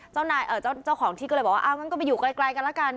เจ้าของที่ก็เลยบอกว่าก็ไปอยู่ไกลกันละกัน